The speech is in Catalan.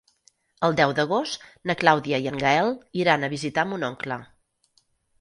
El deu d'agost na Clàudia i en Gaël iran a visitar mon oncle.